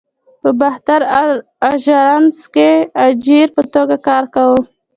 په باختر آژانس کې اجیر په توګه کار کاوه.